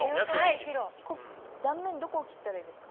断面どこを切ったらいいですか？